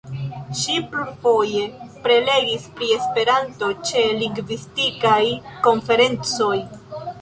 Ŝi plurfoje prelegis pri Esperanto ĉe lingvistikaj konferencoj.